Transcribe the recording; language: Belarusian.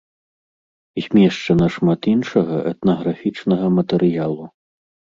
Змешчана шмат іншага этнаграфічнага матэрыялу.